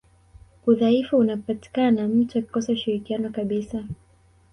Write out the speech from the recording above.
udhaifu unapatikana mtu akikosa ushirikiano kabisa